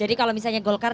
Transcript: jadi kalau misalnya golkar